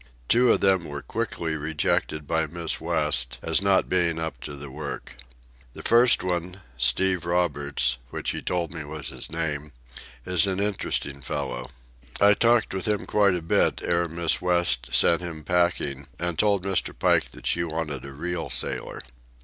Two of them were quickly rejected by Miss West as not being up to the work. The first one, Steve Roberts, which he told me was his name, is an interesting fellow. I talked with him quite a bit ere Miss West sent him packing and told Mr. Pike that she wanted a real sailor.